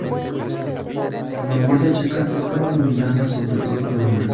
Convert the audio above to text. La vanguardia checa estaba dominada sobre todo por hombres.